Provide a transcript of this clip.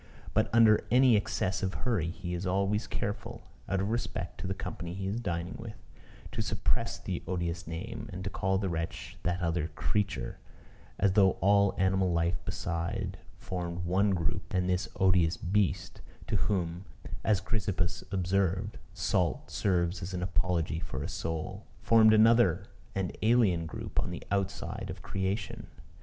But under any excess of hurry he is always careful, out of respect to the company he is dining with, to suppress the odious name, and to call the wretch "that other creature," as though all animal life beside formed one group, and this odious beast (to whom, as Chrysippus observed, salt serves as an apology for a soul) formed another and alien group on the outside of creation.